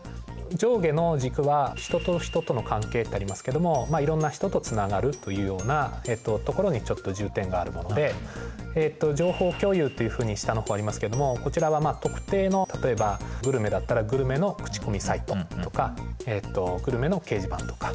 上下の軸は人と人の関係ってありますけどもいろんな人とつながるというようなところにちょっと重点があるものでえっと情報共有というふうに下の方ありますけどもこちらは特定の例えばグルメだったらグルメのクチコミサイトとかえっとグルメの掲示板とか。